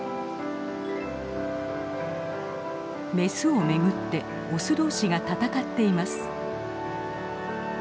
メスを巡ってオス同士が闘っています。